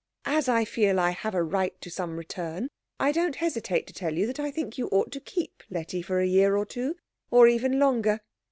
As I feel I have a right to some return I don't hesitate to tell you that I think you ought to keep Letty for a year or two, or even longer.